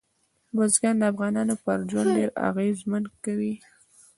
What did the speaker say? بزګان د افغانانو پر ژوند ډېر اغېزمن کوي.